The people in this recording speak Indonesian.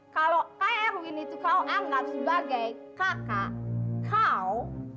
kalau kak erwin itu kau anggap sebagai kakak kau